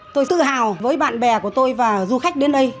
tôi tự hào với bạn bè của tôi và du khách đến đây